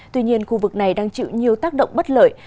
tuy nhiên khu vực này đang chịu nhiều tác động bất lợi